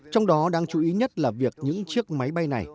trong đó đáng chú ý nhất là việc những chiếc máy bay này